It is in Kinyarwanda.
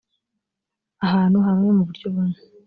ahantu hamwe mu buryo bumwe